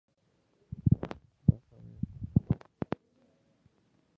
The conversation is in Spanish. Vas a ver!